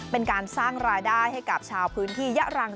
เป็นการสร้างรายได้ให้กับชาวพื้นที่ยะลังจังหวัดปัตตานี